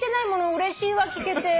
うれしいわ聴けて。